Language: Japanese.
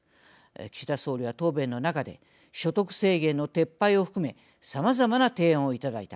岸田総理は答弁の中で「所得制限の撤廃を含めさまざまな提案をいただいた。